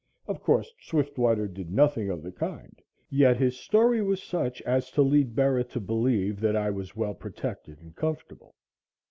Of course, Swiftwater did nothing of the kind, yet his story was such as to lead Bera to believe that I was well protected and comfortable.